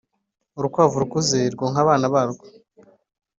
Urukwavu rukuze rwonka abana barwo